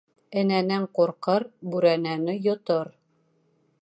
Энәнән ҡурҡыр, бүрәнәне йотор.